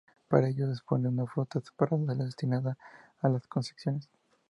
Para ello dispone de una flota separada de la destinada a las concesiones.